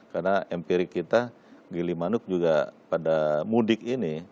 karena empirik kita gelimanuk juga pada mudik ini